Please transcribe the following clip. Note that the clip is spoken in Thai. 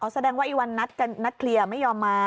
แสดงว่าอีกวันนัดเคลียร์ไม่ยอมมา